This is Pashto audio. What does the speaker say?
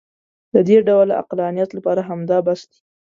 د دې ډول عقلانیت لپاره همدا بس دی.